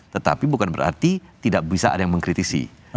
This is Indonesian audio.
tetapi bukan berarti tidak bisa ada yang mengkritisi